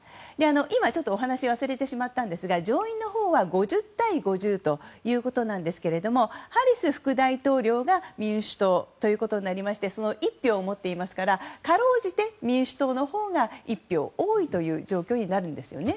今、ちょっとお話忘れてしまったんですが上院のほうは５０対５０なんですけれどもハリス副大統領が民主党で１票を持っていますから辛うじて、民主党のほうが１票多いという状況になるんですよね。